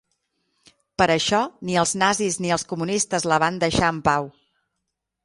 Per això ni els nazis ni els comunistes la van deixar en pau.